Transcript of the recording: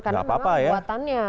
karena memang buatannya